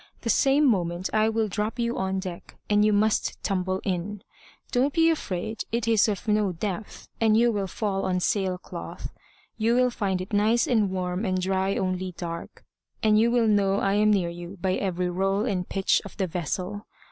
The same moment I will drop you on deck, and you must tumble in. Don't be afraid, it is of no depth, and you will fall on sail cloth. You will find it nice and warm and dry only dark; and you will know I am near you by every roll and pitch of the vessel.